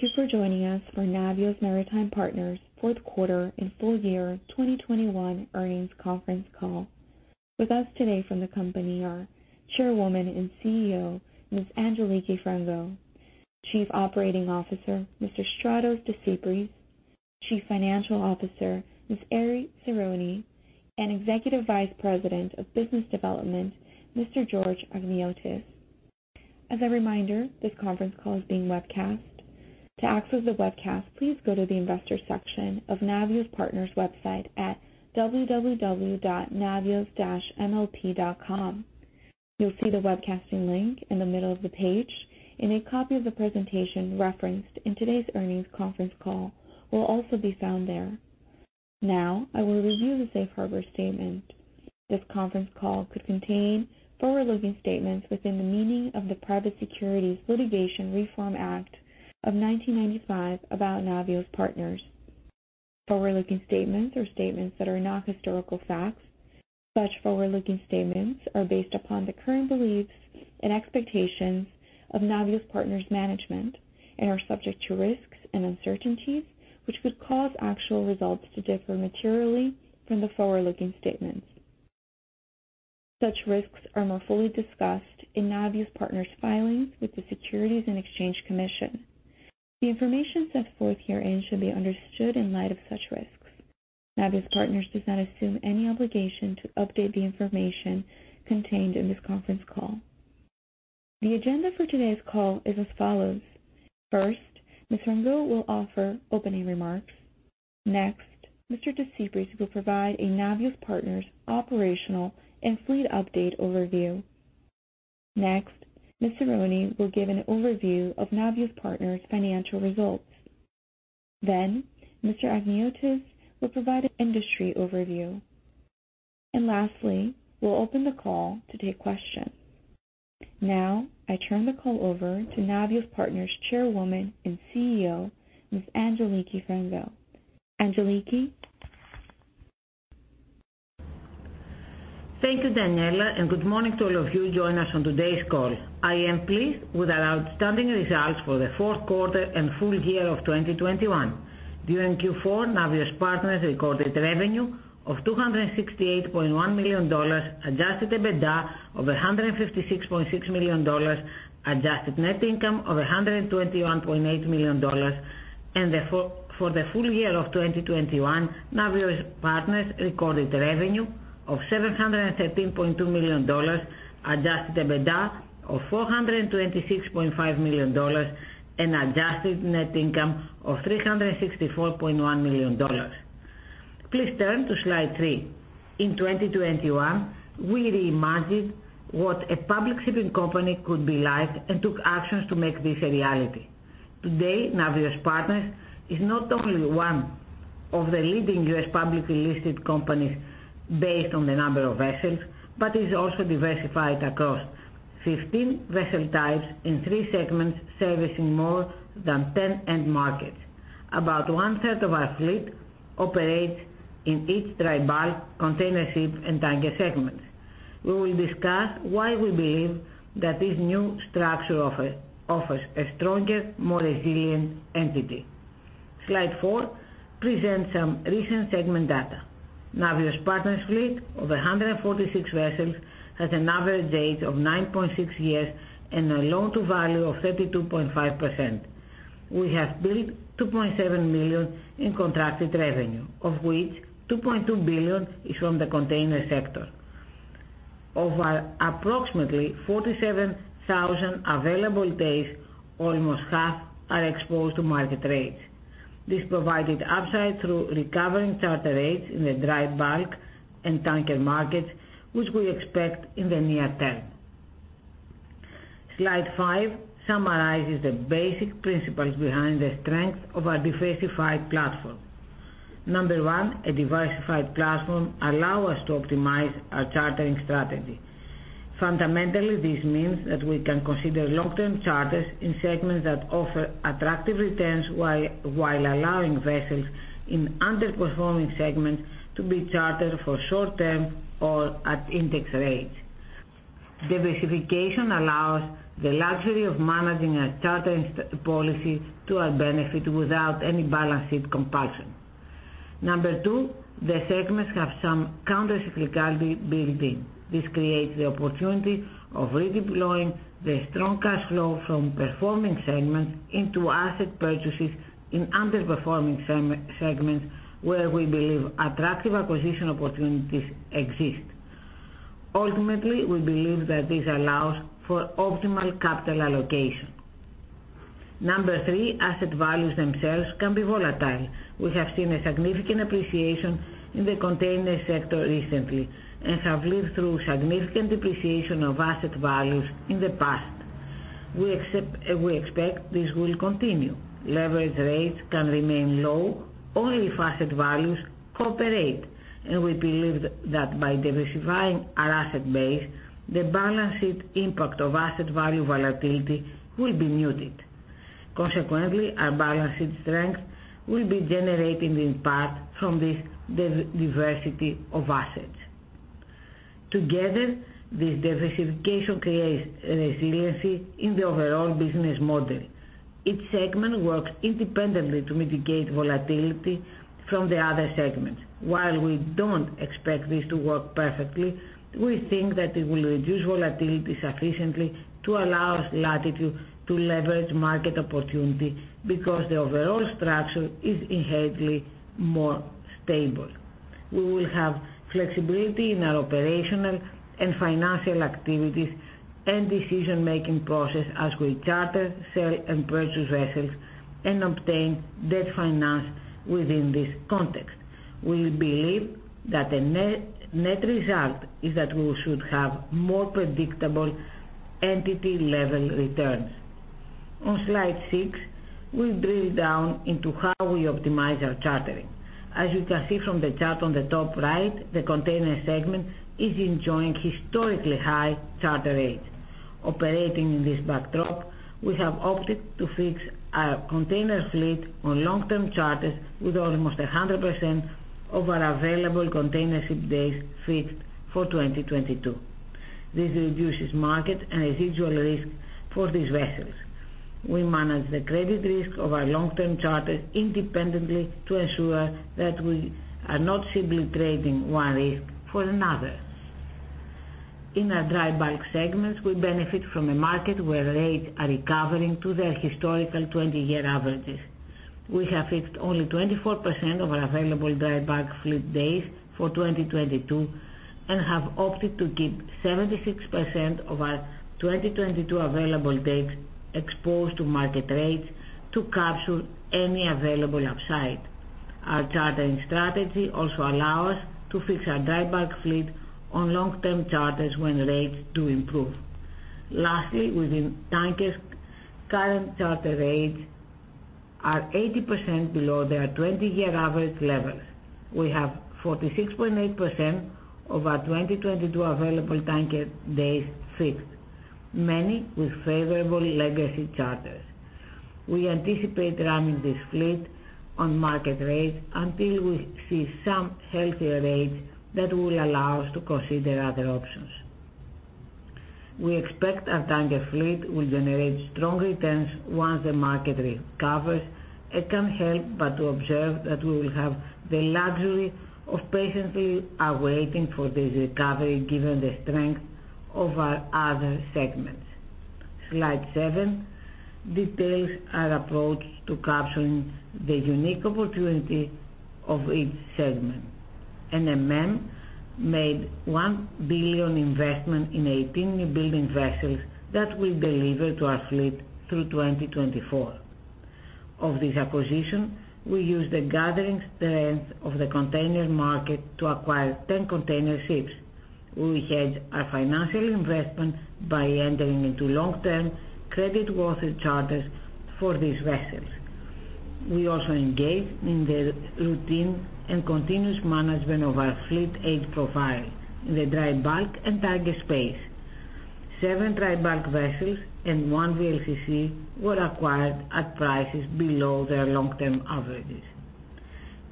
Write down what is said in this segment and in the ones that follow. Thank you for joining us for Navios Maritime Partners' Q4 and full year 2021 earnings conference call. With us today from the company are Chairwoman and CEO, Ms. Angeliki Frangou, Chief Operating Officer, Mr. Stratos Desypris, Chief Financial Officer, Ms. Erifili Tsironi, and Executive Vice President of Business Development, Mr. George Achniotis. As a reminder, this conference call is being webcast. To access the webcast, please go to the investors section of Navios Partners website at www.navios-mlp.com. You'll see the webcasting link in the middle of the page, and a copy of the presentation referenced in today's earnings conference call will also be found there. Now I will review the safe harbor statement. This conference call could contain forward-looking statements within the meaning of the Private Securities Litigation Reform Act of 1995 about Navios Partners. Forward-looking statements are statements that are not historical facts. Such forward-looking statements are based upon the current beliefs and expectations of Navios Partners' management and are subject to risks and uncertainties which could cause actual results to differ materially from the forward-looking statements. Such risks are more fully discussed in Navios Partners' filings with the Securities and Exchange Commission. The information set forth herein should be understood in light of such risks. Navios Partners does not assume any obligation to update the information contained in this conference call. The agenda for today's call is as follows. First, Ms. Frangou will offer opening remarks. Next, Mr. Desypris will provide a Navios Partners operational and fleet update overview. Next, Ms. Tsironi will give an overview of Navios Partners' financial results. Mr. Achniotis will provide an industry overview. Lastly, we'll open the call to take questions. Now I turn the call over to Navios Partners Chairwoman and CEO, Ms. Angeliki Frangou. Thank you, Daniella, and good morning to all of you joining us on today's call. I am pleased with our outstanding results for the Q4 and full year of 2021. During Q4, Navios Partners recorded revenue of $268.1 million, adjusted EBITDA of $156.6 million, adjusted net income of $121.8 million. For the full year of 2021, Navios Partners recorded revenue of $713.2 million, adjusted EBITDA of $426.5 million, and adjusted net income of $364.1 million. Please turn to slide three. In 2021, we reimagined what a public shipping company could be like and took actions to make this a reality. Today, Navios Partners is not only one of the leading U.S. publicly listed companies based on the number of vessels but is also diversified across 15 vessel types in three segments, servicing more than 10 end markets. About 1/3 of our fleet operates in each dry bulk container ship and tanker segments. We will discuss why we believe that this new structure offers a stronger, more resilient entity. Slide four presents some recent segment data. Navios Partners fleet of 146 vessels has an average age of 9.6 years and a loan to value of 32.5%. We have built $2.7 million in contracted revenue, of which $2.2 billion is from the container sector. Of our approximately 47,000 available days, almost half are exposed to market rates. This provided upside through recovering charter rates in the dry bulk and tanker markets, which we expect in the near term. Slide five summarizes the basic principles behind the strength of our diversified platform. Number one, a diversified platform allow us to optimize our chartering strategy. Fundamentally, this means that we can consider long-term charters in segments that offer attractive returns while allowing vessels in underperforming segments to be chartered for short term or at index rates. Diversification allows the luxury of managing a chartering policy to our benefit without any balance sheet compulsion. Number two, the segments have some counter cyclicality built in. This creates the opportunity of redeploying the strong cash flow from performing segments into asset purchases in underperforming segments, where we believe attractive acquisition opportunities exist. Ultimately, we believe that this allows for optimal capital allocation. Number three, asset values themselves can be volatile. We have seen a significant appreciation in the container sector recently and have lived through significant depreciation of asset values in the past. We expect this will continue. Leverage rates can remain low only if asset values cooperate. We believe that by diversifying our asset base, the balance sheet impact of asset value volatility will be muted. Consequently, our balance sheet strength will be generating, in part, from this diversity of assets. Together, this diversification creates resiliency in the overall business model. Each segment works independently to mitigate volatility from the other segments. While we don't expect this to work perfectly, we think that it will reduce volatility sufficiently to allow us latitude to leverage market opportunity because the overall structure is inherently more stable. We will have flexibility in our operational and financial activities and decision-making process as we charter, sell, and purchase vessels and obtain debt finance within this context. We believe that the net result is that we should have more predictable entity-level returns. On slide six, we drill down into how we optimize our chartering. As you can see from the chart on the top right, the container segment is enjoying historically high charter rates. Operating in this backdrop, we have opted to fix our container fleet on long-term charters with almost 100% of our available container ship days fixed for 2022. This reduces market and residual risk for these vessels. We manage the credit risk of our long-term charters independently to ensure that we are not simply trading one risk for another. In our dry bulk segments, we benefit from a market where rates are recovering to their historical 20-year averages. We have fixed only 24% of our available dry bulk fleet days for 2022 and have opted to keep 76% of our 2022 available days exposed to market rates to capture any available upside. Our chartering strategy also allow us to fix our dry bulk fleet on long-term charters when rates do improve. Lastly, within tankers, current charter rates are 80% below their 20-year average levels. We have 46.8% of our 2022 available tanker days fixed, many with favorable legacy charters. We anticipate running this fleet on market rates until we see some healthier rates that will allow us to consider other options. We expect our tanker fleet will generate strong returns once the market recovers and can't help but to observe that we will have the luxury of patiently awaiting for this recovery given the strength of our other segments. Slide seven details our approach to capturing the unique opportunity of each segment. NMM made $1 billion investment in 18 newbuilding vessels that will deliver to our fleet through 2024. Of this acquisition, we use the gathering strength of the container market to acquire 10 container ships. We hedge our financial investment by entering into long-term creditworthy charters for these vessels. We also engage in the routine and continuous management of our fleet age profile in the dry bulk and tanker space. Seven dry bulk vessels and 1 VLCC were acquired at prices below their long-term averages.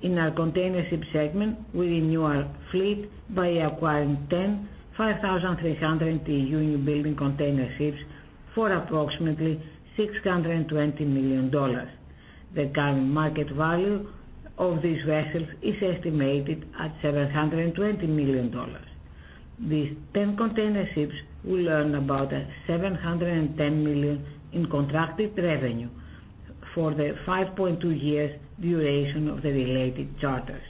In our containership segment, we renew our fleet by acquiring 10 5,300 TEU newbuilding containerships for approximately $620 million. The current market value of these vessels is estimated at $720 million. These 10 containerships will earn about $710 million in contracted revenue for the 5.2 years duration of the related charters.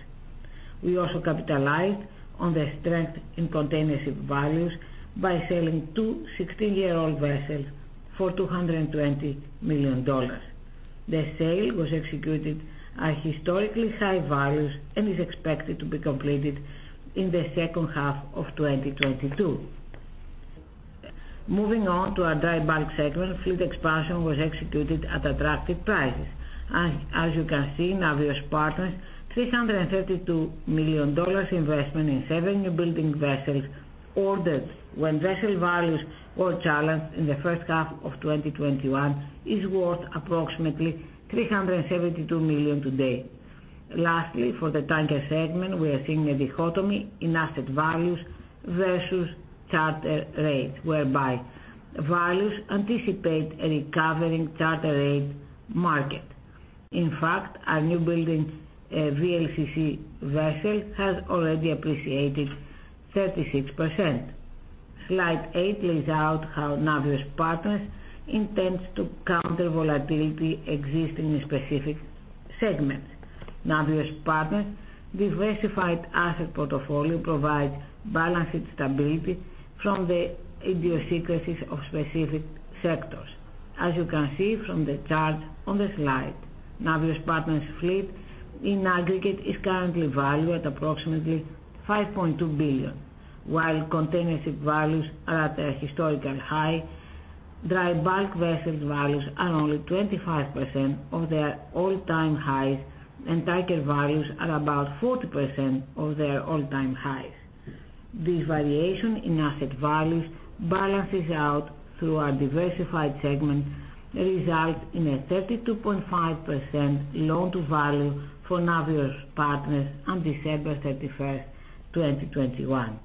We also capitalized on the strength in containership values by selling two 16-year-old vessels for $220 million. The sale was executed at historically high values and is expected to be completed in the H2 of 2022. Moving on to our dry bulk segment, fleet expansion was executed at attractive prices. As you can see, Navios Partners $332 million investment in seven newbuilding vessels ordered when vessel values were challenged in the H1 of 2021 is worth approximately $372 million today. Lastly, for the tanker segment, we are seeing a dichotomy in asset values versus charter rates, whereby values anticipate a recovering charter rate market. In fact, our newbuilding VLCC vessel has already appreciated 36%. Slide eight lays out how Navios Partners intends to counter volatility existing in specific segments. Navios Partners' diversified asset portfolio provides balanced stability from the idiosyncrasies of specific sectors. As you can see from the chart on the slide, Navios Partners fleet in aggregate is currently valued at approximately $5.2 billion, while containership values are at a historical high, dry bulk vessel values are only 25% of their all-time highs, and tanker values are about 40% of their all-time highs. This variation in asset values balances out through our diversified segments result in a 32.5% loan to value for Navios Partners on December 31, 2021.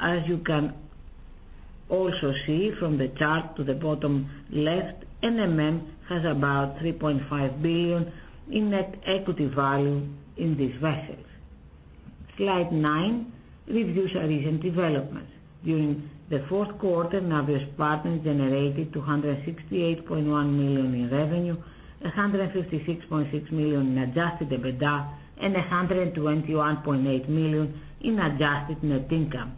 As you can also see from the chart to the bottom left, NMM has about $3.5 billion in net equity value in these vessels. Slide nine reviews our recent developments. During the Q4, Navios Partners generated $268.1 million in revenue, $156.6 million in adjusted EBITDA, and $121.8 million in adjusted net income.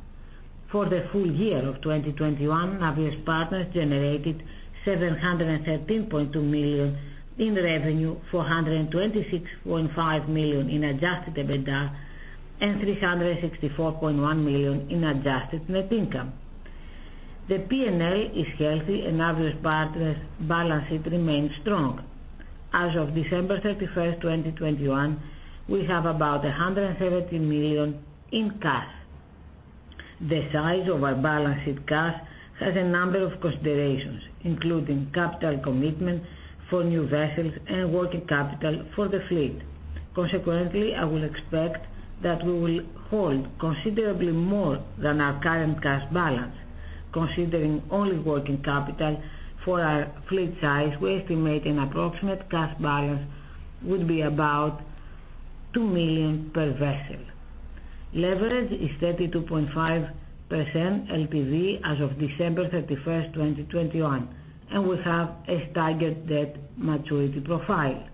For the full year of 2021, Navios Partners generated $713.2 million in revenue, $426.5 million in adjusted EBITDA, and $364.1 million in adjusted net income. The P&L is healthy, and Navios Partners' balance sheet remains strong. As of December 31, 2021, we have about $113 million in cash. The size of our balance sheet cash has a number of considerations, including capital commitment for new vessels and working capital for the fleet. Consequently, I will expect that we will hold considerably more than our current cash balance. Considering only working capital for our fleet size, we estimate an approximate cash balance would be about $2 million per vessel. Leverage is 32.5% LTV as of December 31, 2021, and we have a staggered debt maturity profile.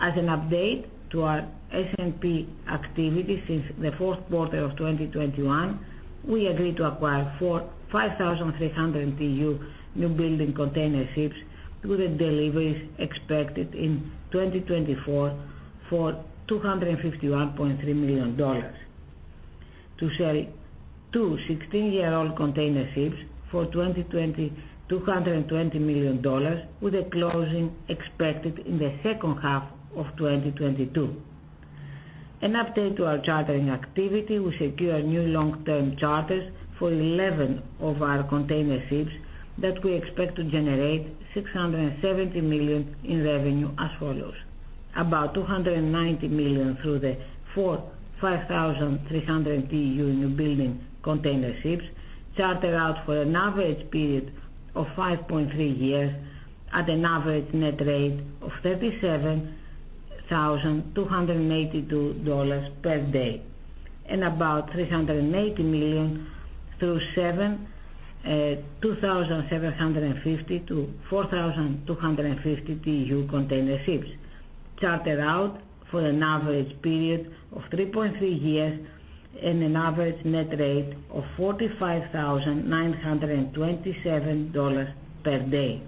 As an update to our S&P activity since the Q4 of 2021, we agreed to acquire four 5,300 TEU newbuilding container ships with the deliveries expected in 2024 for $251.3 million, to sell two 16-year-old container ships for $20.2 million with the closing expected in the H2 of 2022. An update to our chartering activity, we secure new long-term charters for 11 of our container ships that we expect to generate $670 million in revenue as follows. About $290 million through the 45,300 TEU newbuilding container ships chartered out for an average period of 5.3 years at an average net rate of $37,282 per day. About $380 million through seven 2,750-4,250 TEU container ships chartered out for an average period of 3.3 years and an average net rate of $45,927 per day.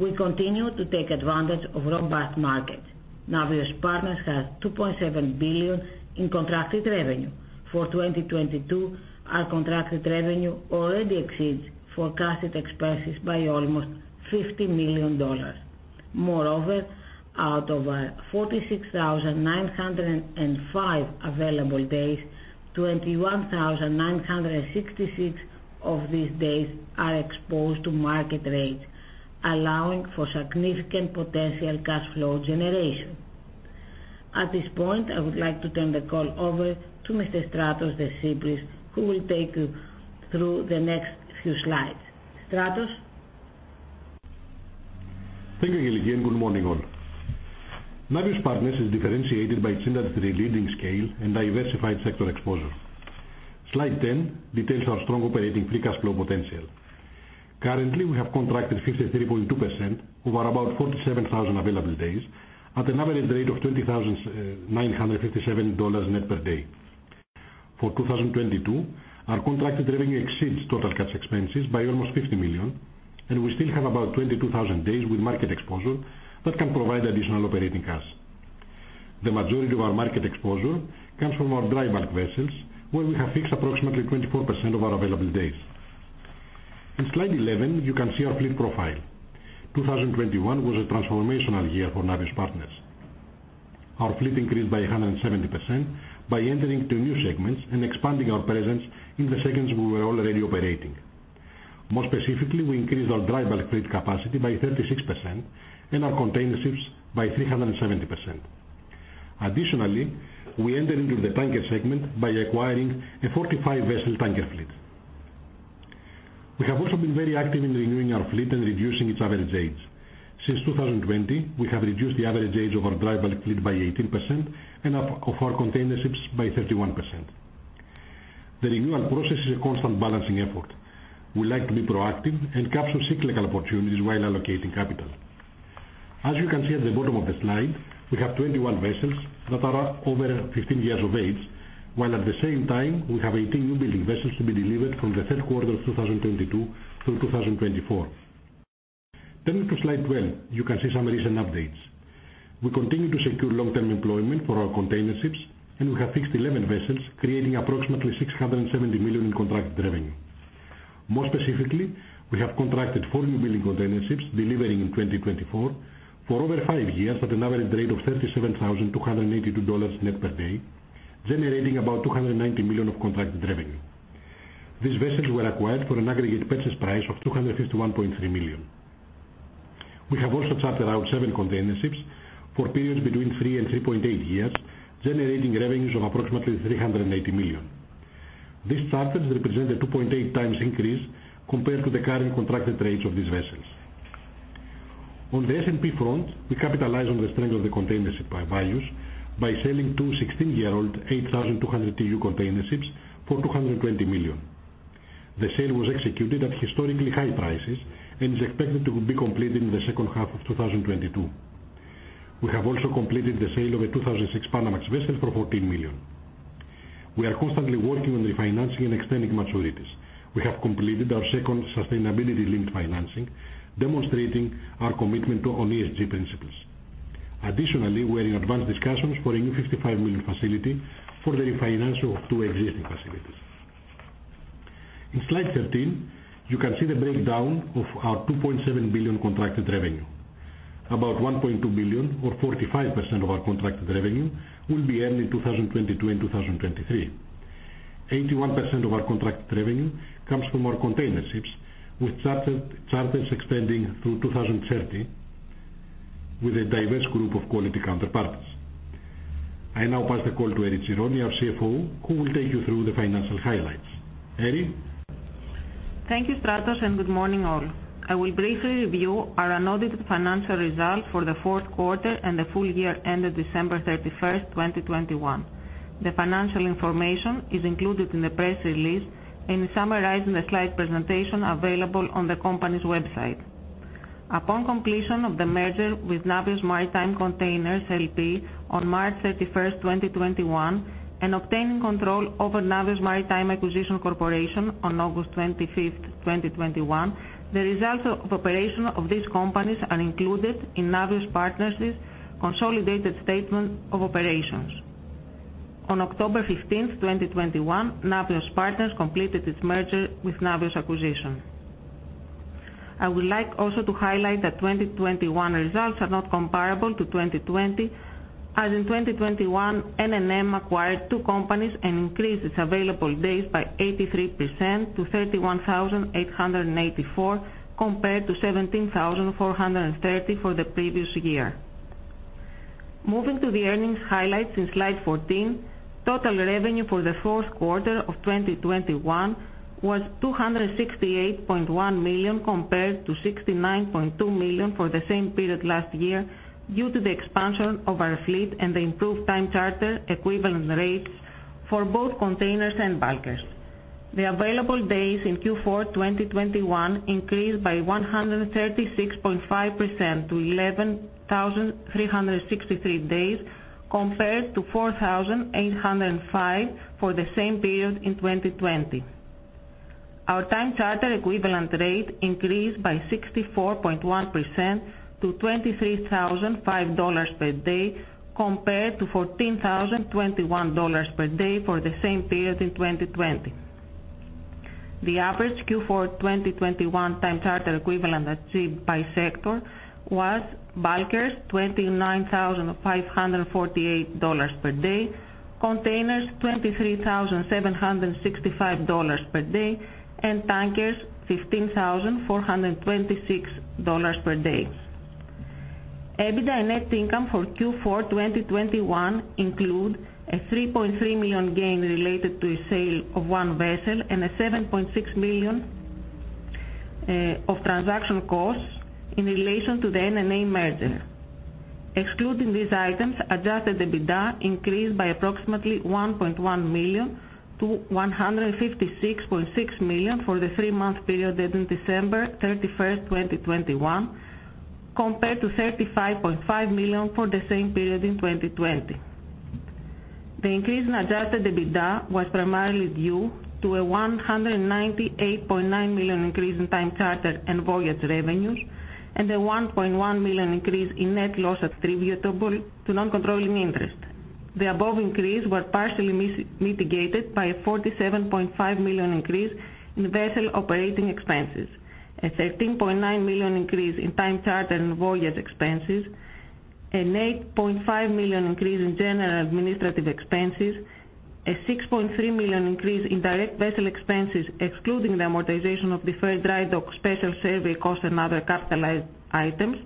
We continue to take advantage of robust markets. Navios Partners has $2.7 billion in contracted revenue. For 2022, our contracted revenue already exceeds forecasted expenses by almost $50 million. Moreover, out of our 46,905 available days, 21,966 of these days are exposed to market rates, allowing for significant potential cash flow generation. At this point, I would like to turn the call over to Mr. Stratos Desypris, who will take you through the next few slides. Stratos? Thank you, Angeliki, and good morning, all. Navios Partners is differentiated by its industry-leading scale and diversified sector exposure. Slide 10 details our strong operating free cash flow potential. Currently, we have contracted 53.2% over about 47,000 available days at an average rate of $20,957 net per day. For 2022, our contracted revenue exceeds total cash expenses by almost $50 million, and we still have about 22,000 days with market exposure that can provide additional operating cash. The majority of our market exposure comes from our dry bulk vessels, where we have fixed approximately 24% of our available days. In slide 11, you can see our fleet profile. 2021 was a transformational year for Navios Partners. Our fleet increased by 170% by entering two new segments and expanding our presence in the segments we were already operating. More specifically, we increased our dry bulk fleet capacity by 36% and our containerships by 370%. Additionally, we entered into the tanker segment by acquiring a 45-vessel tanker fleet. We have also been very active in renewing our fleet and reducing its average age. Since 2020, we have reduced the average age of our dry bulk fleet by 18% and of our containerships by 31%. The renewal process is a constant balancing effort. We like to be proactive and capture cyclical opportunities while allocating capital. As you can see at the bottom of the slide, we have 21 vessels that are over 15 years of age, while at the same time, we have 18 new building vessels to be delivered from the Q3 of 2022 through 2024. Turning to slide 12, you can see some recent updates. We continue to secure long-term employment for our containerships, and we have fixed 11 vessels, creating approximately $670 million in contracted revenue. More specifically, we have contracted 4 new building containerships delivering in 2024 for over five years at an average rate of $37,282 net per day, generating about $290 million of contracted revenue. These vessels were acquired for an aggregate purchase price of $251.3 million. We have also chartered out seven container ships for periods between three and 3.8 years, generating revenues of approximately $380 million. These charters represent a 2.8x increase compared to the current contracted rates of these vessels. On the S&P front, we capitalize on the strength of the container ship values by selling two 16-year-old 8,200 TEU container ships for $220 million. The sale was executed at historically high prices and is expected to be completed in the second half of 2022. We have also completed the sale of a 2006 Panamax vessel for $14 million. We are constantly working on refinancing and extending maturities. We have completed our second sustainability linked financing, demonstrating our commitment on ESG principles. Additionally, we are in advanced discussions for a new $55 million facility for the refinance of two existing facilities. In slide 13, you can see the breakdown of our $2.7 billion contracted revenue. About $1.2 billion or 45% of our contracted revenue will be earned in 2022 and 2023. 81% of our contracted revenue comes from our container ships, with charters extending through 2030 with a diverse group of quality counterparties. I now pass the call to Erifili Tsironi, our CFO, who will take you through the financial highlights. Erifili? Thank you, Stratos, and good morning, all. I will briefly review our unaudited financial results for the Q4, and the full year ended December 31, 2021. The financial information is included in the press release and is summarized in the slide presentation available on the company's website. Upon completion of the merger with Navios Maritime Containers L.P. on March 31, 2021, and obtaining control over Navios Maritime Acquisition Corporation on August 25, 2021, the results of operations of these companies are included in Navios Partners' consolidated statement of operations. On October 15, 2021, Navios Partners completed its merger with Navios Acquisition. I would like also to highlight that 2021 results are not comparable to 2020, as in 2021, NMM acquired two companies and increased its available days by 83% to 31,884, compared to 17,430 for the previous year. Moving to the earnings highlights in slide 14, total revenue for the Q4 of 2021 was $268.1 million, compared to $69.2 million for the same period last year due to the expansion of our fleet and the improved time charter equivalent rates for both containers and bulkers. The available days in Q4 2021 increased by 136.5% to 11,363 days compared to 4,805 for the same period in 2020. Our time charter equivalent rate increased by 64.1% to $23,005 per day compared to $14,021 per day for the same period in 2020. The average Q4 2021 time charter equivalent achieved by sector was bulkers, $29,548 per day, containers, $23,765 per day, and tankers, $15,426 per day. EBITDA and net income for Q4 2021 include a $3.3 million gain related to a sale of one vessel and a $7.6 million of transaction costs in relation to the NNA merger. Excluding these items, adjusted EBITDA increased by approximately $1.1 million to $156.6 million for the three-month period ending December 31, 2021, compared to $35.5 million for the same period in 2020. The increase in adjusted EBITDA was primarily due to a $198.9 million increase in time charter and voyage revenues, and a $1.1 million increase in net loss attributable to non-controlling interest. The above increases were partially mitigated by a $47.5 million increase in vessel operating expenses, a $13.9 million increase in time charter and voyage expenses, an $8.5 million increase in general administrative expenses, a $6.3 million increase in direct vessel expenses, excluding the amortization of deferred dry dock special survey costs and other capitalized items,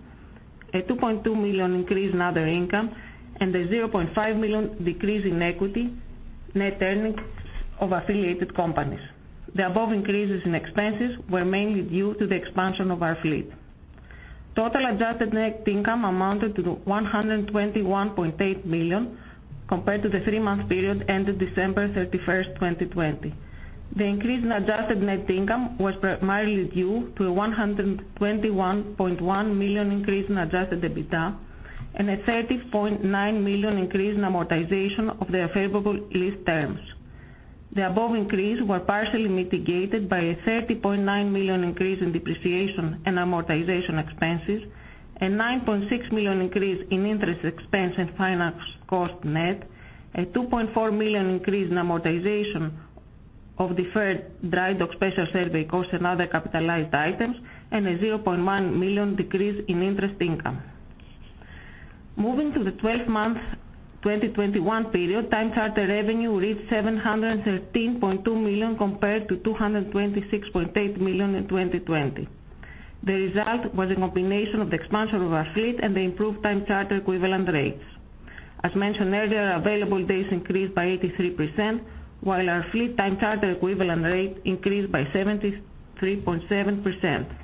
a $2.2 million increase in other income, and a $0.5 million decrease in equity net earnings of affiliated companies. The above increases in expenses were mainly due to the expansion of our fleet. Total adjusted net income amounted to $121.8 million compared to the three-month period ending December 31, 2020. The increase in adjusted net income was primarily due to a $121.1 million increase in adjusted EBITDA and a $30.9 million increase in amortization of the favorable lease terms. The above increases were partially mitigated by a $30.9 million increase in depreciation and amortization expenses, a $9.6 million increase in interest expense and finance cost net, a $2.4 million increase in amortization of deferred dry dock special survey costs and other capitalized items, and a $0.1 million decrease in interest income. Moving to the 12 months 2021 period, time charter revenue reached $713.2 million compared to $226.8 million in 2020. The result was a combination of the expansion of our fleet and the improved time charter equivalent rates. As mentioned earlier, available days increased by 83%, while our fleet time charter equivalent rate increased by 73.7%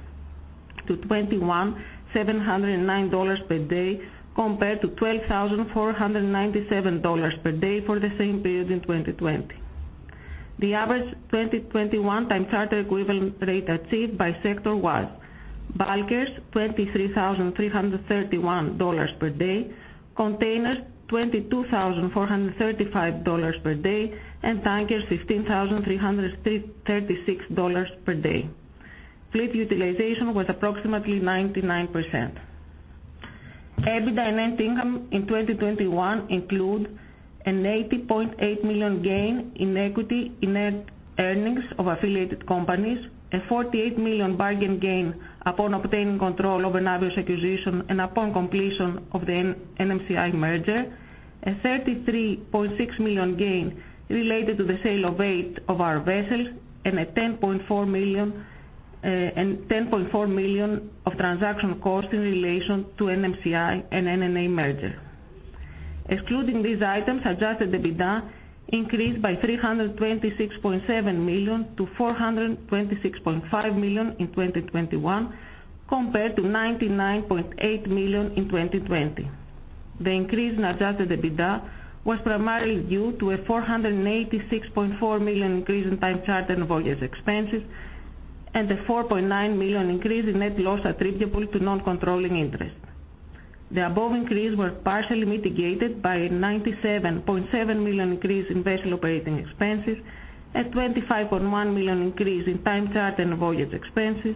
to $21,709 per day compared to $12,497 per day for the same period in 2020. The average 2021 time charter equivalent rate achieved by sector was bulkers $23,331 per day, containers $22,435 per day, and tankers $15,336 per day. Fleet utilization was approximately 99%. EBITDA net income in 2021 include an $80.8 million gain in equity in earnings of affiliated companies, a $48 million bargain gain upon obtaining control over Navios Acquisition and upon completion of the NMCI merger, a $33.6 million gain related to the sale of eight of our vessels, and a $10.4 million of transaction costs in relation to NMCI and NNA merger. Excluding these items, adjusted EBITDA increased by $326.7 million to $426.5 million in 2021 compared to $99.8 million in 2020. The increase in adjusted EBITDA was primarily due to a $486.4 million increase in time charter and voyage revenues, and a $4.9 million increase in net loss attributable to non-controlling interest. The above increases were partially mitigated by a $97.7 million increase in vessel operating expenses, a $25.1 million increase in time charter and voyage expenses,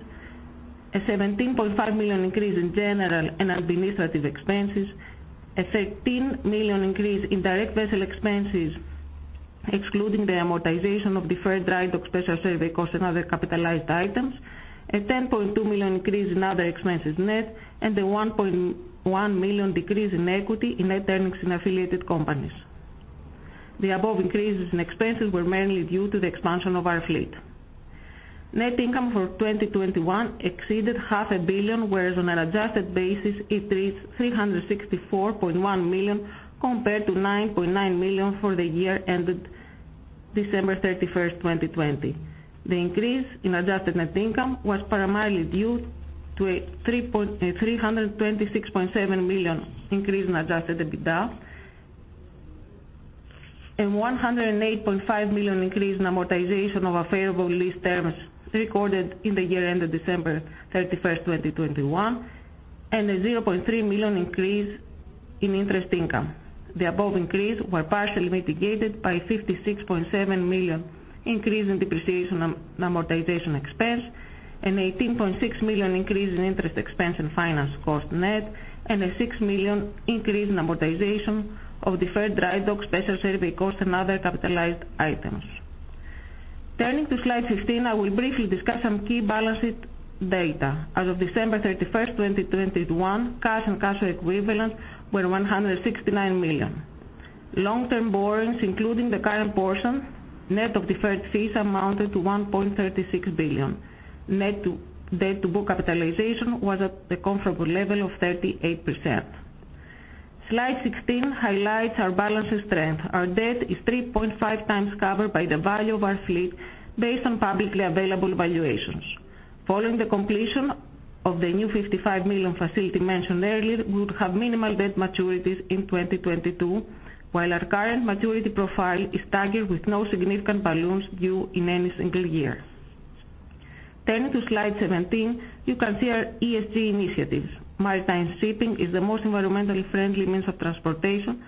a $17.5 million increase in general and administrative expenses, a $13 million increase in direct vessel expenses, excluding the amortization of deferred drydock special survey costs and other capitalized items, a $10.2 million increase in other expenses net, and a $1.1 million decrease in equity in net earnings in affiliated companies. The above increases in expenses were mainly due to the expansion of our fleet. Net income for 2021 exceeded half a $500,000,000, whereas on an adjusted basis it reached $364.1 million compared to $9.9 million for the year ended December 31, 2020. The increase in adjusted net income was primarily due to a $326.7 million increase in adjusted EBITDA, a $108.5 million increase in amortization of favorable lease terms recorded in the year ended December 31, 2021, and a $0.3 million increase in interest income. The above increase were partially mitigated by a $56.7 million increase in depreciation and amortization expense, an $18.6 million increase in interest expense and finance cost net, and a $6 million increase in amortization of deferred drydock special survey costs and other capitalized items. Turning to slide 15, I will briefly discuss some key balance sheet data. As of December 31, 2021, cash and cash equivalents were $169 million. Long-term borrowings, including the current portion, net of deferred fees amounted to $1.36 billion. Net debt to book capitalization was at the comfortable level of 38%. Slide 16 highlights our balance sheet strength. Our debt is 3.5x covered by the value of our fleet based on publicly available valuations. Following the completion of the new $55 million facility mentioned earlier, we would have minimal debt maturities in 2022, while our current maturity profile is staggered with no significant balloons due in any single year. Turning to slide 17, you can see our ESG initiatives. Maritime shipping is the most environmentally friendly means of transportation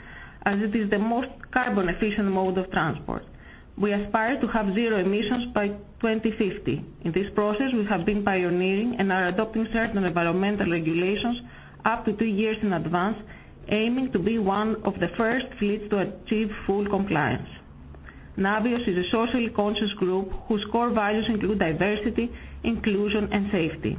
as it is the most carbon efficient mode of transport. We aspire to have zero emissions by 2050. In this process, we have been pioneering and are adopting certain environmental regulations up to two years in advance, aiming to be one of the first fleets to achieve full compliance. Navios is a socially conscious group whose core values include diversity, inclusion, and safety.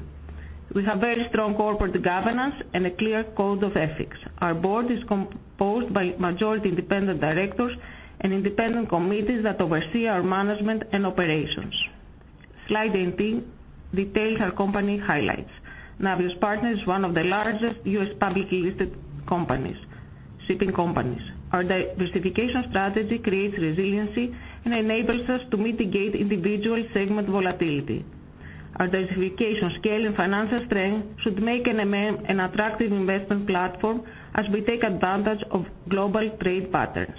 We have very strong corporate governance and a clear code of ethics. Our board is composed by majority independent directors and independent committees that oversee our management and operations. Slide 18 details our company highlights. Navios Partners is one of the largest U.S. publicly listed companies, shipping companies. Our diversification strategy creates resiliency and enables us to mitigate individual segment volatility. Our diversification scale and financial strength should make NMM an attractive investment platform as we take advantage of global trade patterns.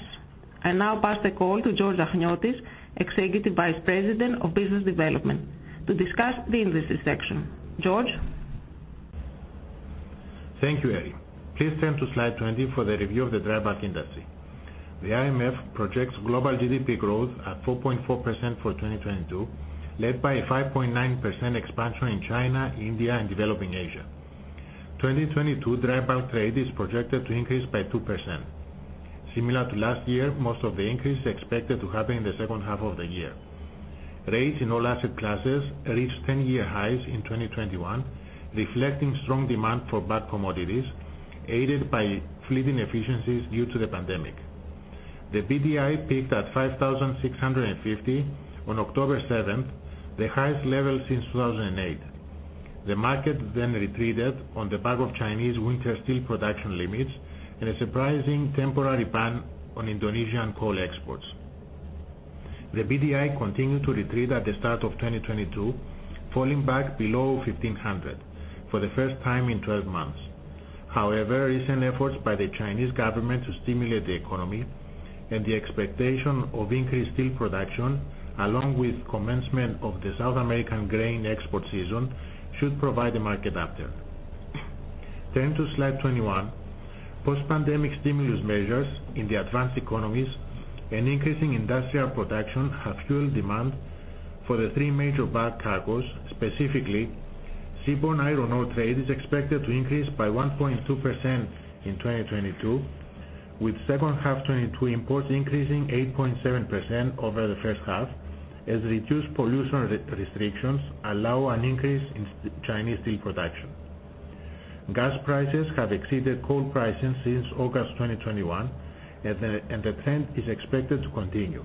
I now pass the call to George Achniotis, Executive Vice President of Business Development, to discuss the industry section. George? Thank you, Erifili. Please turn to slide 20 for the review of the dry bulk industry. The IMF projects global GDP growth at 4.4% for 2022, led by a 5.9% expansion in China, India, and developing Asia. 2022 dry bulk trade is projected to increase by 2%. Similar to last year, most of the increase is expected to happen in the H2 of the year. Rates in all asset classes reached 10-year highs in 2021, reflecting strong demand for bulk commodities, aided by fleet efficiencies due to the pandemic. The BDI peaked at 5,650 on October 7, the highest level since 2008. The market then retreated on the back of Chinese winter steel production limits and a surprising temporary ban on Indonesian coal exports. The BDI continued to retreat at the start of 2022, falling back below 1,500 for the first time in 12 months. However, recent efforts by the Chinese government to stimulate the economy and the expectation of increased steel production, along with commencement of the South American grain export season, should provide a market upturn. Turn to slide 21. Post-pandemic stimulus measures in the advanced economies and increasing industrial production have fueled demand for the three major bulk cargos. Specifically, seaborne iron ore trade is expected to increase by 1.2% in 2022, with H2 2022 imports increasing 8.7% over the H1, as reduced pollution restrictions allow an increase in Chinese steel production. Gas prices have exceeded coal pricing since August 2021, and the trend is expected to continue.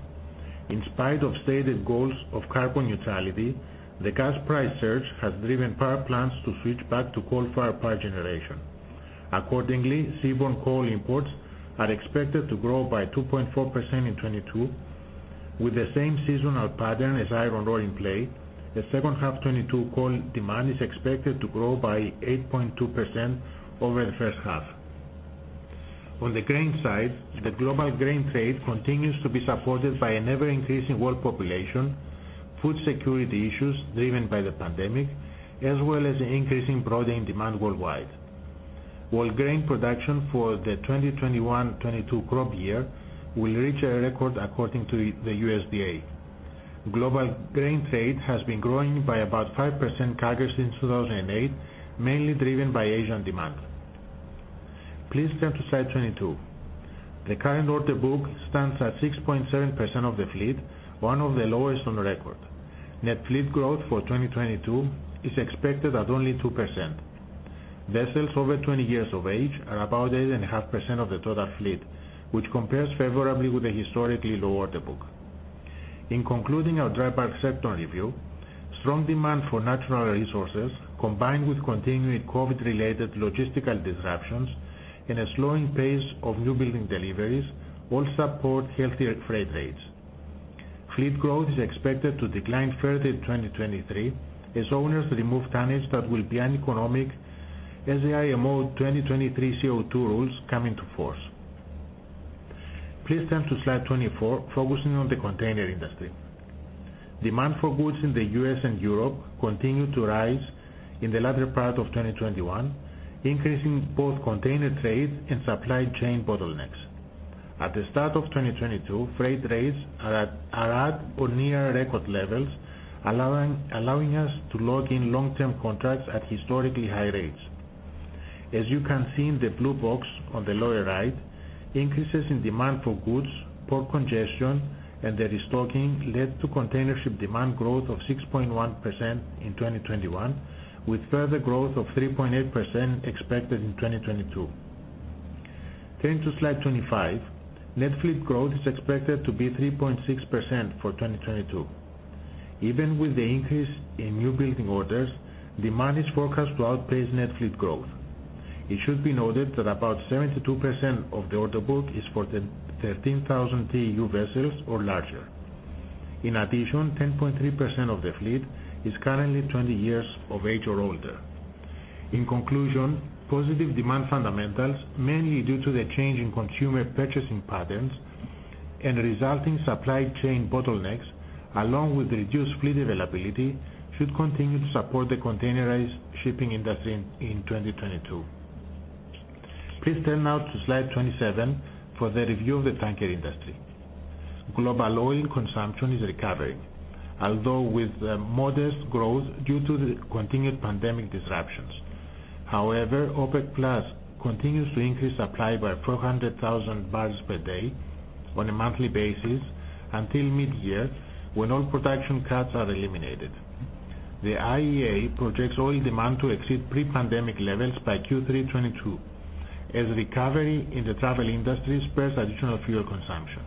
In spite of stated goals of carbon neutrality, the gas price surge has driven power plants to switch back to coal for power generation. Accordingly, seaborne coal imports are expected to grow by 2.4% in 2022, with the same seasonal pattern as iron ore in play. The H2 2022 coal demand is expected to grow by 8.2% over the H1. On the grain side, the global grain trade continues to be supported by an ever-increasing world population, food security issues driven by the pandemic, as well as increasing protein demand worldwide. World grain production for the 2021/2022 crop year will reach a record according to the USDA. Global grain trade has been growing by about 5% CAGR since 2008, mainly driven by Asian demand. Please turn to slide 22. The current order book stands at 6.7% of the fleet, one of the lowest on record. Net fleet growth for 2022 is expected at only 2%. Vessels over 20 years of age are about 8.5% of the total fleet, which compares favorably with the historically low order book. In concluding our dry bulk sector review, strong demand for natural resources, combined with continuing COVID-related logistical disruptions and a slowing pace of new building deliveries, will support healthier freight rates. Fleet growth is expected to decline further in 2023 as owners remove tonnage that will be uneconomic as the IMO 2023 CO2 rules come into force. Please turn to slide 24, focusing on the container industry. Demand for goods in the U.S. and Europe continued to rise in the latter part of 2021, increasing both container trades and supply chain bottlenecks. At the start of 2022, freight rates are at or near record levels, allowing us to lock in long-term contracts at historically high rates. As you can see in the blue box on the lower right, increases in demand for goods, port congestion, and the restocking led to containership demand growth of 6.1% in 2021, with further growth of 3.8% expected in 2022. Turning to slide 25, net fleet growth is expected to be 3.6% for 2022. Even with the increase in new building orders, demand is forecast to outpace net fleet growth. It should be noted that about 72% of the order book is for 13,000 TEU vessels or larger. In addition, 10.3% of the fleet is currently 20 years of age or older. In conclusion, positive demand fundamentals, mainly due to the change in consumer purchasing patterns and resulting supply chain bottlenecks, along with reduced fleet availability, should continue to support the containerized shipping industry in 2022. Please turn now to slide 27 for the review of the tanker industry. Global oil consumption is recovering, although with modest growth due to the continued pandemic disruptions. However, OPEC+ continues to increase supply by 400,000 barrels per day on a monthly basis until mid-year, when all production cuts are eliminated. The IEA projects oil demand to exceed pre-pandemic levels by Q3 2022 as recovery in the travel industry spurs additional fuel consumption.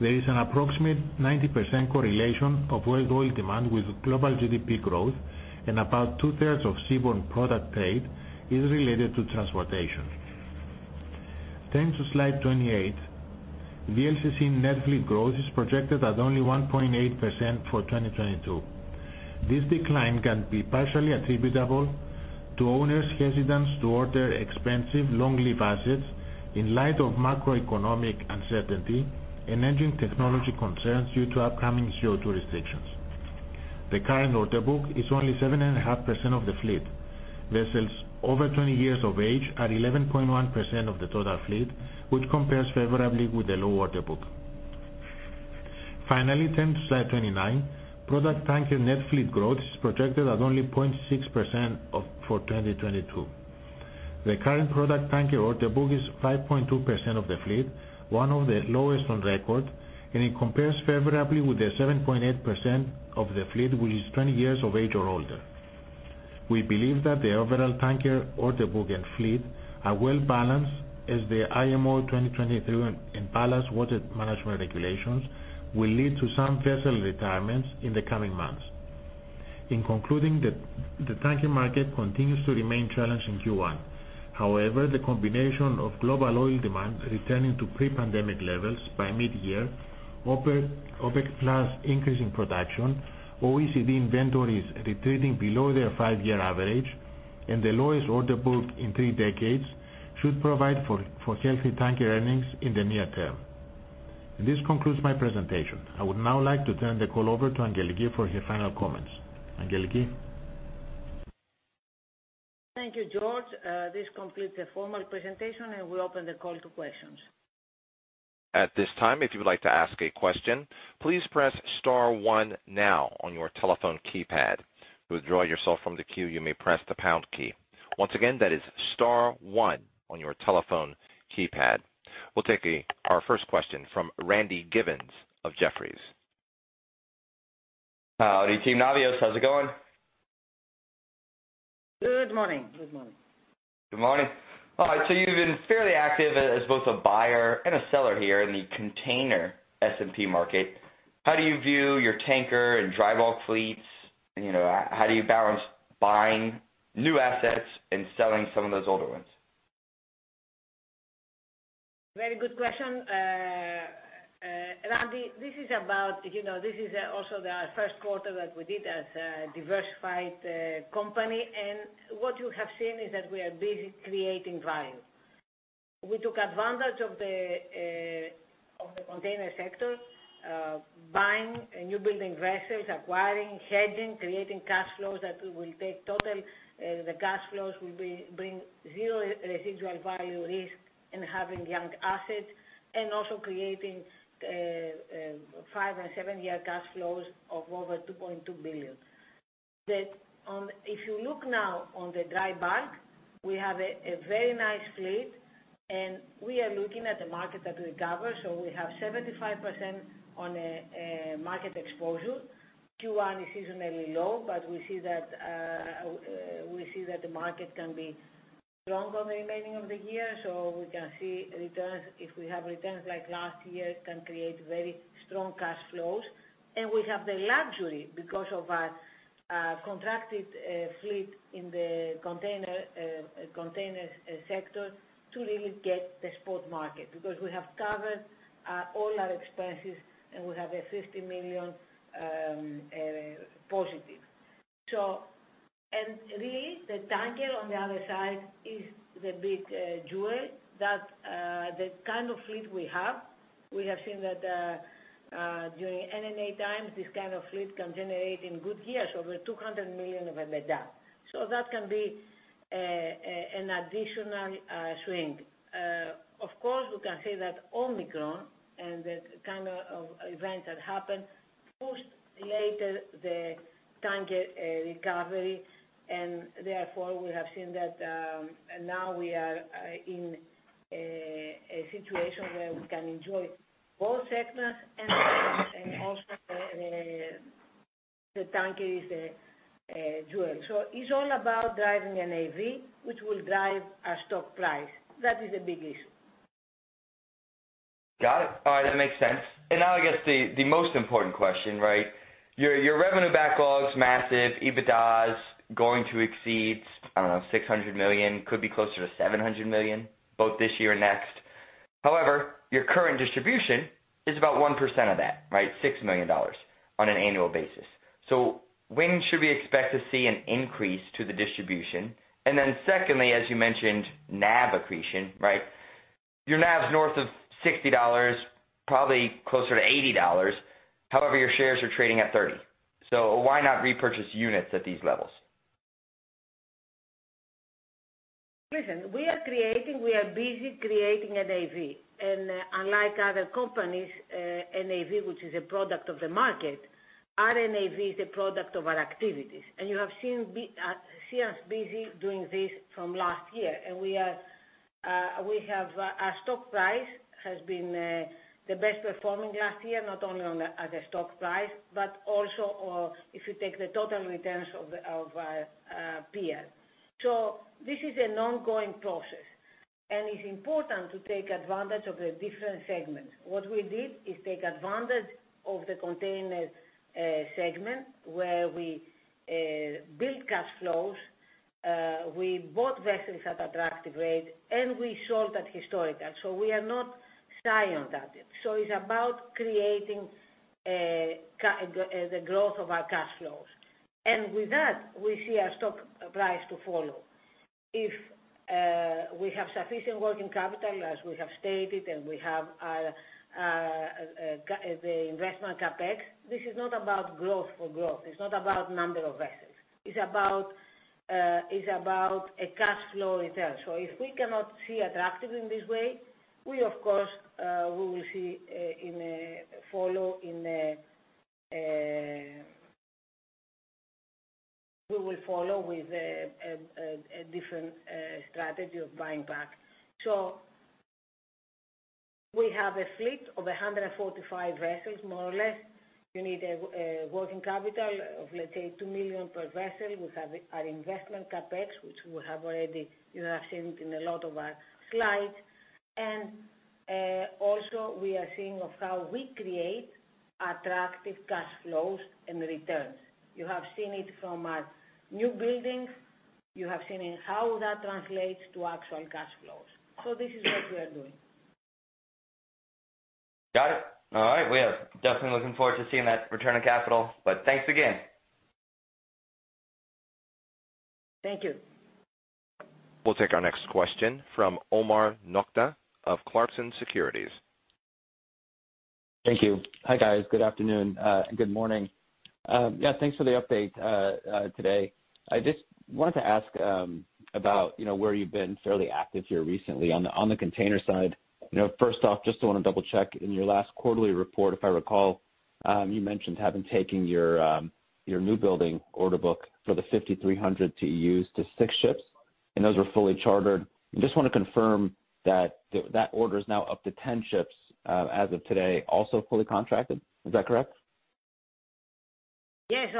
There is an approximate 90% correlation of world oil demand with global GDP growth, and about two-thirds of seaborne product trade is related to transportation. Turning to slide 28, VLCC net fleet growth is projected at only 1.8% for 2022. This decline can be partially attributable to owners' hesitance to order expensive long-lived assets in light of macroeconomic uncertainty and engine technology concerns due to upcoming CO2 restrictions. The current order book is only 7.5% of the fleet. Vessels over 20 years of age are 11.1% of the total fleet, which compares favorably with the low order book. Finally, turn to slide 29. Product tanker net fleet growth is projected at only 0.6% for 2022. The current product tanker order book is 5.2% of the fleet, one of the lowest on record, and it compares favorably with the 7.8% of the fleet, which is 20 years of age or older. We believe that the overall tanker order book and fleet are well balanced as the IMO 2023 and Ballast Water Management Regulations will lead to some vessel retirements in the coming months. In concluding, the tanker market continues to remain challenged in Q1. However, the combination of global oil demand returning to pre-pandemic levels by mid-year, OPEC+ increase in production, OECD inventories retreating below their five-year average, and the lowest order book in three decades should provide for healthy tanker earnings in the near term. This concludes my presentation. I would now like to turn the call over to Angeliki for her final comments. Angeliki? Thank you, George. This completes the formal presentation, and we open the call to questions. At this time, if you would like to ask a question, please press star one now on your telephone keypad. To withdraw yourself from the queue, you may press the pound key. Once again, that is star one on your telephone keypad. We'll take our first question from Randy Giveans of Jefferies. Howdy, team Navios. How's it going? Good morning. Good morning. Good morning. All right. You've been fairly active as both a buyer and a seller here in the container S&P market. How do you view your tanker and dry bulk fleets? You know, how do you balance buying new assets and selling some of those older ones? Very good question. Randy, this is about, you know, this is also the Q1 that we did as a diversified company. What you have seen is that we are busy creating value. We took advantage of the container sector, buying new building vessels, acquiring, hedging, creating cash flows that will bring zero residual value risk in having young assets, and also creating five- and seven-year cash flows of over $2.2 billion. That, if you look now on the dry bulk, we have a very nice fleet, and we are looking at the market that we cover. We have 75% on a market exposure. Q1 is seasonally low, but we see that the market can be strong on the remaining of the year, so we can see returns. If we have returns like last year, it can create very strong cash flows. We have the luxury because of our contracted fleet in the containers sector to really get the spot market because we have covered all our expenses, and we have a $50 million positive. Really, the tanker on the other side is the big jewel that the kind of fleet we have. We have seen that during NNA times, this kind of fleet can generate in good years over $200 million of EBITDA. That can be an additional swing. Of course, we can say that Omicron and the kind of event that happened pushed later the tanker recovery and therefore we have seen that, now we are in a situation where we can enjoy both sectors and also the tanker is a jewel. It's all about driving a NAV, which will drive our stock price. That is the big issue. Got it. All right, that makes sense. Now, I guess the most important question, right? Your revenue backlog's massive. EBITDA is going to exceed, I don't know, $600 million, could be closer to $700 million, both this year and next. However, your current distribution is about 1% of that, right? $6 million on an annual basis. When should we expect to see an increase to the distribution? Then secondly, as you mentioned, NAV accretion, right? Your NAV's north of $60, probably closer to $80. However, your shares are trading at $30. Why not repurchase units at these levels? Listen, we are busy creating a NAV. Unlike other companies, NAV, which is a product of the market, our NAV is a product of our activities. You have seen us busy doing this from last year. Our stock price has been the best performing last year, not only at the stock price, but also if you take the total returns of our peers. This is an ongoing process, and it's important to take advantage of the different segments. What we did is take advantage of the container segment, where we build cash flows. We bought vessels at attractive rate, and we sold at historical. We are not shy on that. It's about creating the growth of our cash flows. With that, we see our stock price to follow. If we have sufficient working capital, as we have stated, and we have our investment CapEx, this is not about growth for growth. It's not about number of vessels. It's about a cash flow return. If we cannot see attractive in this way, we of course will see in a follow in a. We will follow with a different strategy of buying back. We have a fleet of 145 vessels, more or less. You need a working capital of, let's say, $2 million per vessel. We have our investment CapEx, which we have already. You have seen it in a lot of our slides. Also we are seeing of how we create attractive cash flows and returns. You have seen it from our new buildings. You have seen in how that translates to actual cash flows. This is what we are doing. Got it. All right. We are definitely looking forward to seeing that return on capital. Thanks again. Thank you. We'll take our next question from Omar Nokta of Clarksons Securities. Thank you. Hi, guys. Good afternoon. Good morning. Yeah, thanks for the update today. I just wanted to ask about, you know, where you've been fairly active here recently on the container side. You know, first off, just wanna double check. In your last quarterly report, if I recall, you mentioned having taken your new building order book for the 5,300 TEUs to six ships, and those were fully chartered. Just wanna confirm that that order is now up to 10 ships as of today, also fully contracted. Is that correct? Yes,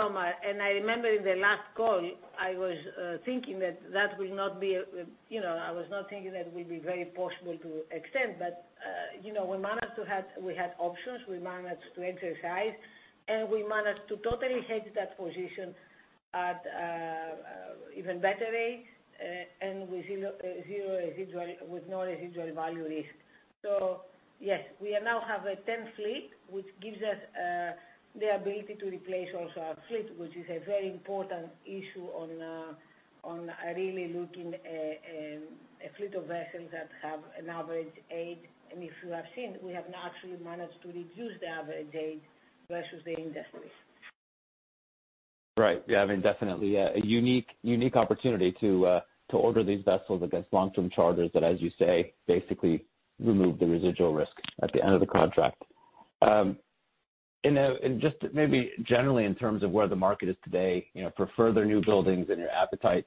Omar. I remember in the last call, I was thinking that it will not be, you know, I was not thinking that it will be very possible to extend. You know, we managed to have options. We managed to exercise, and we managed to totally hedge that position at even better rates, and with no residual value risk. Yes, we now have a 10-year fleet, which gives us the ability to replace also our fleet, which is a very important issue on really looking at a fleet of vessels that have an average age. If you have seen, we have now actually managed to reduce the average age versus the industry. Right. Yeah, I mean, definitely, yeah, a unique opportunity to order these vessels against long-term charters that, as you say, basically remove the residual risk at the end of the contract. Just maybe generally in terms of where the market is today, you know, for further new buildings and your appetite,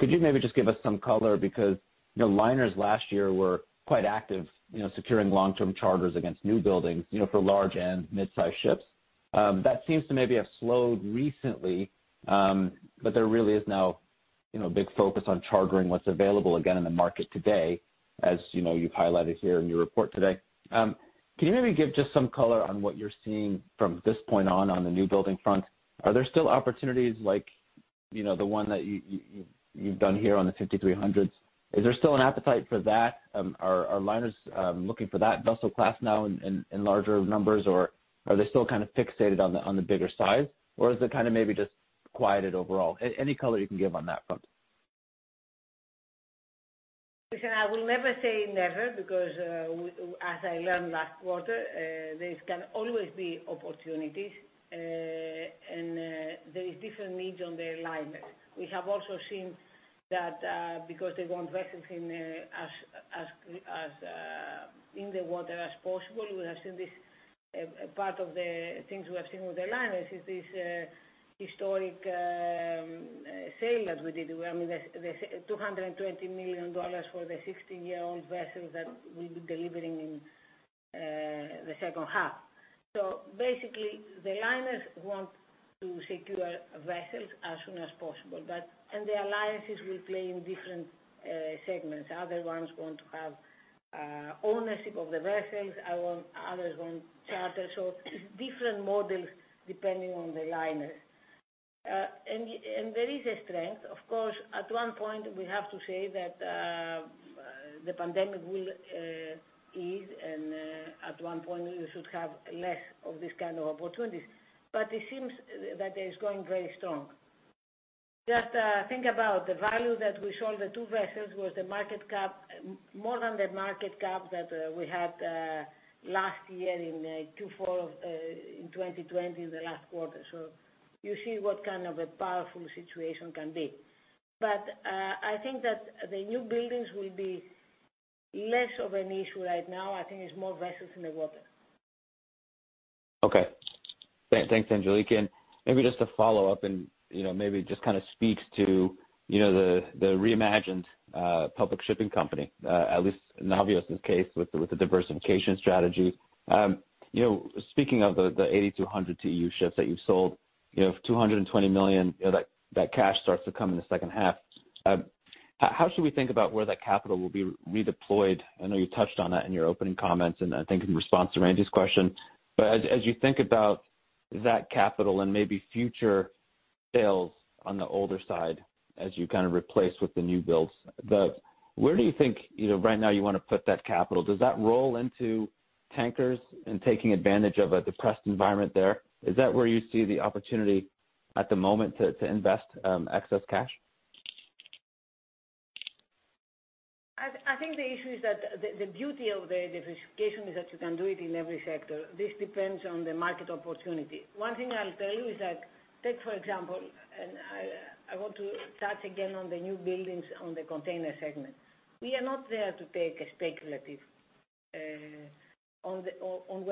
could you maybe just give us some color? Because, you know, liners last year were quite active, you know, securing long-term charters against new buildings, you know, for large and mid-size ships. That seems to maybe have slowed recently, but there really is now, you know, a big focus on chartering what's available again in the market today, as, you know, you've highlighted here in your report today. Can you maybe give just some color on what you're seeing from this point on the new building front? Are there still opportunities like, you know, the one that you've done here on the 5,300s? Is there still an appetite for that? Are liners looking for that vessel class now in larger numbers, or are they still kind of fixated on the bigger size? Or is it kinda maybe just quieted overall? Any color you can give on that front. Listen, I will never say never because, as I learned last quarter, there's gonna always be opportunities, and there is different needs on the alignment. We have also seen that, because they want vessels in, as in the water as possible, we have seen this, part of the things we have seen with the liners is this, historic sale that we did, where, I mean, the $220 million for the 16-year-old vessels that we'll be delivering in the H2. So basically, the liners want to secure vessels as soon as possible. The alliances will play in different segments. Other ones want to have ownership of the vessels. Others want charter. So different models depending on the liner, and there is a strength. Of course, at one point, we have to say that the pandemic will ease and at one point we should have less of this kind of opportunities. It seems that it is going very strong. Just think about the value that we sold the two vessels was the market cap, more than the market cap that we had last year in Q4 of in 2020 in the last quarter. You see what kind of a powerful situation can be. I think that the new buildings will be less of an issue right now. I think it's more vessels in the water. Thanks, Angeliki. Maybe just to follow up and, you know, maybe just kinda speaks to, you know, the reimagined public shipping company, at least in Navios' case with the diversification strategy. You know, speaking of the 8,200 TEU ships that you've sold, you know, $220 million, you know, that cash starts to come in the H2. How should we think about where that capital will be redeployed? I know you touched on that in your opening comments and I think in response to Randy's question. As you think about that capital and maybe future sales on the older side as you kind of replace with the new builds, where do you think, you know, right now you wanna put that capital? Does that roll into tankers and taking advantage of a depressed environment there? Is that where you see the opportunity at the moment to invest excess cash? I think the issue is that the beauty of the diversification is that you can do it in every sector. This depends on the market opportunity. One thing I'll tell you is that take for example, I want to touch again on the newbuildings on the container segment. We are not there to take a speculative order on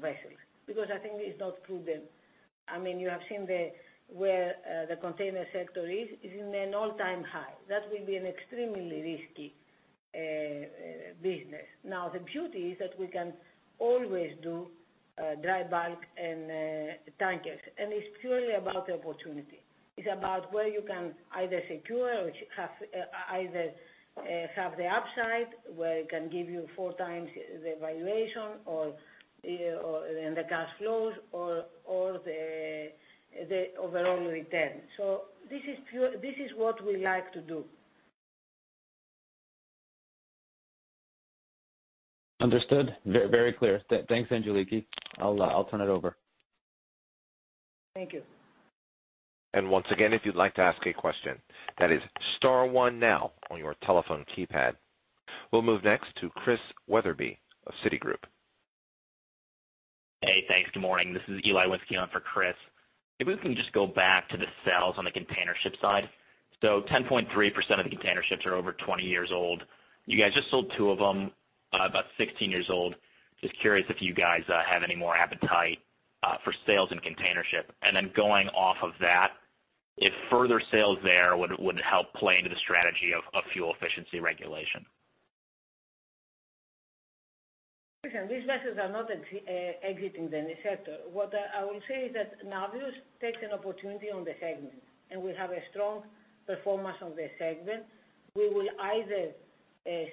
vessels because I think it is not prudent. I mean, you have seen where the container sector is in an all-time high. That will be an extremely risky business. Now, the beauty is that we can always do dry bulk and tankers, and it's purely about the opportunity. It's about where you can either secure or have the upside, where it can give you 4x the valuation or the cash flows or the overall return. This is pure. This is what we like to do. Understood. Very clear. Thanks, Angeliki. I'll turn it over. Thank you. Once again, if you'd like to ask a question, that is star one now on your telephone keypad. We'll move next to Chris Wetherbee of Citigroup. Hey, thanks. Good morning. This is Eli Winsky on for Chris. If we can just go back to the sales on the containership side. 10.3% of the containerships are over 20 years old. You guys just sold two of them, about 16 years old. Just curious if you guys have any more appetite for sales in containership. Then going off of that, if further sales there would help play into the strategy of fuel efficiency regulation. These vessels are not exiting the sector. What I will say is that Navios takes an opportunity on the segment, and we have a strong performance on the segment. We will either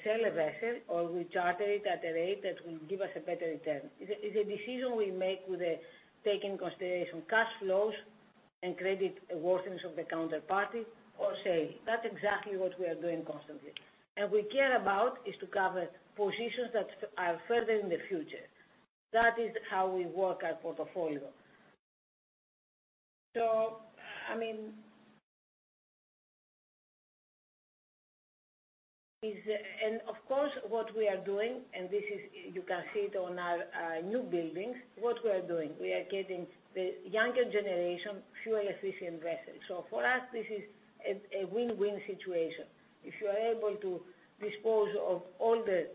sell a vessel, or we charter it at a rate that will give us a better return. It's a decision we make, taking into consideration cash flows and creditworthiness of the counterparty or sale. That's exactly what we are doing constantly. What we care about is to cover positions that are further in the future. That is how we work our portfolio. Of course, what we are doing, this is something you can see on our new buildings. We are getting the younger generation fuel-efficient vessels. For us, this is a win-win situation. If you are able to dispose of older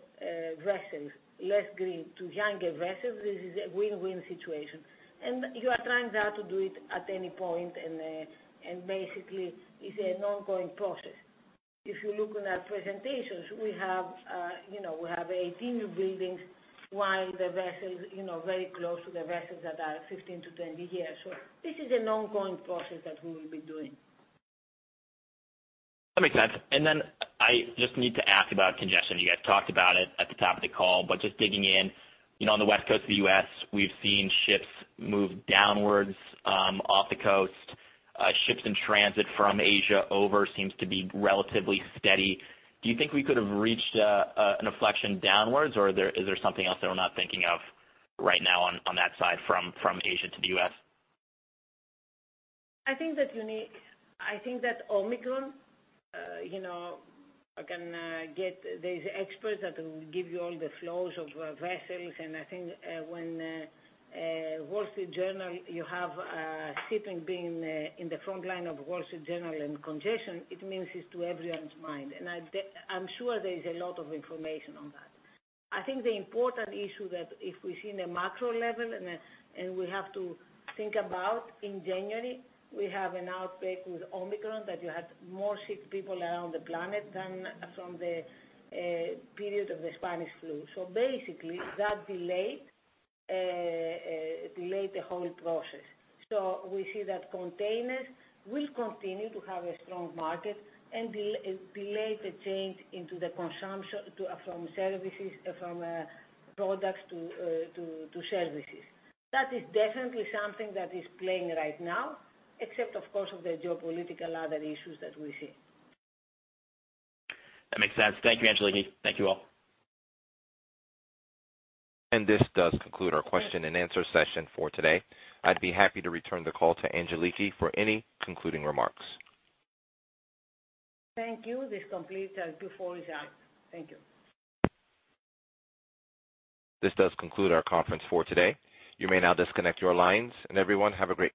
vessels, less green to younger vessels, this is a win-win situation. You are trying to do that at any point, and basically, it's an ongoing process. If you look on our presentations, we have, you know, 18 newbuildings while the vessels, you know, very close to the vessels that are 15-20 years. This is an ongoing process that we will be doing. That makes sense. Then I just need to ask about congestion. You guys talked about it at the top of the call, but just digging in, you know, on the West Coast of the U.S., we've seen ships move downwards off the coast. Ships in transit from Asia over seems to be relatively steady. Do you think we could have reached an inflection downwards, or is there something else that we're not thinking of right now on that side from Asia to the U.S.? I think that Omicron, you know, I can get these experts that will give you all the flows of vessels. I think when the Wall Street Journal, you have shipping being in the frontline of the Wall Street Journal and congestion, it means it's on everyone's mind. I'm sure there is a lot of information on that. I think the important issue is that if we see in the macro level and we have to think about in January, we have an outbreak with Omicron that'll have more sick people around the planet than from the period of the Spanish flu. Basically that delayed the whole process. We see that containers will continue to have a strong market and delay the change in the consumption from products to services. That is definitely something that is playing out right now, except, of course, the other geopolitical issues that we see. That makes sense. Thank you, Angeliki. Thank you all. This does conclude our question-and-answer session for today. I'd be happy to return the call to Angeliki for any concluding remarks. Thank you. This completes our Q4 as well. Thank you. This does conclude our conference for today. You may now disconnect your lines, and everyone have a great.